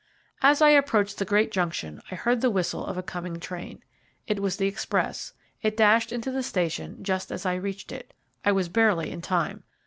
As I approached the great junction I heard the whistle of a coming train. It was the express. It dashed into the station just as I reached it. I was barely in time.